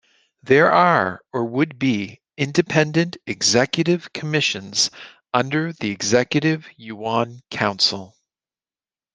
There are, or would be, independent executive commissions under the Executive Yuan Council.